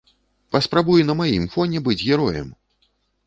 Паспрабуй на маім фоне быць героем!